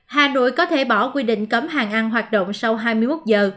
hà nội có thể bỏ quy định cấm hàng ăn hoạt động sau hai mươi một giờ